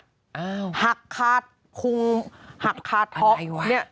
อ้าวหักคาดคุงหักคาดท็อปเนี่ย